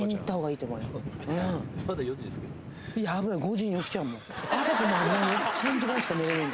いや、危ない、５時に起きちゃうもん。